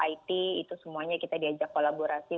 it itu semuanya kita diajak kolaborasi